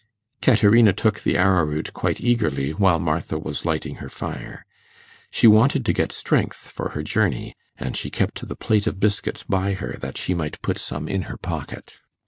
Caterina took the arrowroot quite eagerly, while Martha was lighting her fire. She wanted to get strength for her journey, and she kept the plate of biscuits by her that she might put some in her pocket.